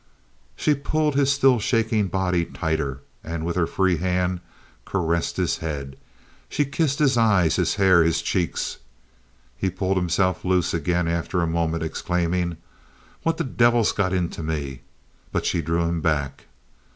She pulled his still shaking body tighter, and with her free hand caressed his head. She kissed his eyes, his hair, his cheeks. He pulled himself loose again after a moment, exclaiming, "What the devil's got into me?" but she drew him back.